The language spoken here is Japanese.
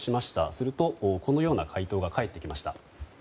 すると、このような回答が返ってきました。